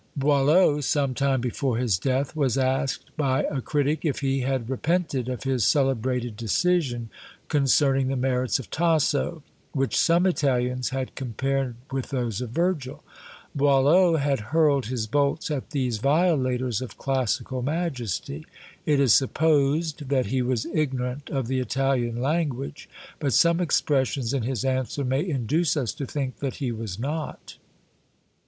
Boileau, some time before his death, was asked by a critic if he had repented of his celebrated decision concerning the merits of Tasso, which some Italians had compared with those of Virgil? Boileau had hurled his bolts at these violators of classical majesty. It is supposed that he was ignorant of the Italian language, but some expressions in his answer may induce us to think that he was not.